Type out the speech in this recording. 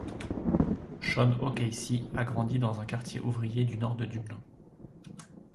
Seán O'Casey a grandi dans un quartier ouvrier du nord de Dublin.